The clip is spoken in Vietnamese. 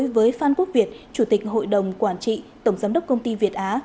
với phan quốc việt chủ tịch hội đồng quản trị tổng giám đốc công ty việt á